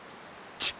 ちっ！